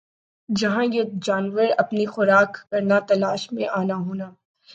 جَہاں یِہ جانور اپنی خوراک کرنا تلاش میں آنا ہونا